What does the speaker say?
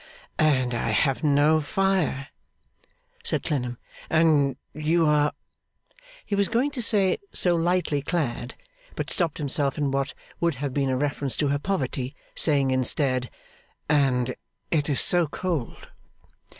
'And I have no fire,' said Clennam. 'And you are ' He was going to say so lightly clad, but stopped himself in what would have been a reference to her poverty, saying instead, 'And it is so cold.